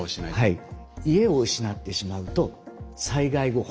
はい。